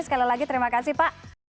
sekali lagi terima kasih pak